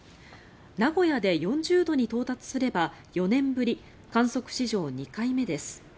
名古屋で４０度に到達すれば４年ぶり観測史上２回目です。